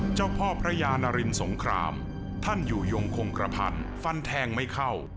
เจ้าพ่อพระยานารินสงครามท่านอยู่ยงคงกระพันธ์ฟันแทงไม่เข้า